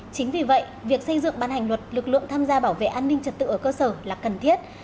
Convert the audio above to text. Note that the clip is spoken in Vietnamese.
chính vì vậy việc xây dựng ban hành luật lực lượng tham gia bảo vệ an ninh trật tự ở cơ sở là cần thiết